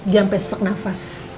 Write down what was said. dia sampai sesak nafas